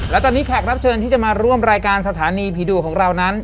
และตอนนี้แขกรับเชิญที่จะมาร่วมรายการสถานีผีดุของเรานั้น